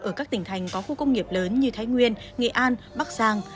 ở các tỉnh thành có khu công nghiệp lớn như thái nguyên nghệ an bắc giang